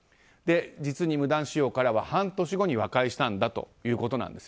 実に無断使用からは半年後に和解したんだということなんです。